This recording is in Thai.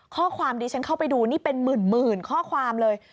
ข้อความดิฉันเข้าไปดูนี่เป็นหมื่นข้อความเลย